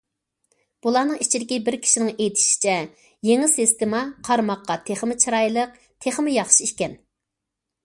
بۇلارنىڭ ئىچىدىكى بىر كىشىنىڭ ئېيتىشىچە، يېڭى سىستېما قارىماققا تېخىمۇ چىرايلىق، تېخىمۇ ياخشى ئىكەن.